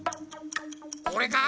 これか？